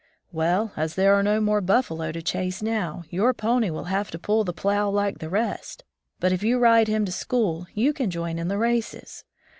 "Well, as there are no more buffalo to chase now, your pony will have to pull the plow like the rest. But if you ride him to school, you can join in the races.